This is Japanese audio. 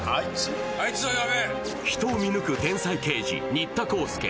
人を見抜く天才刑事・新田浩介。